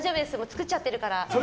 作っちゃってるから。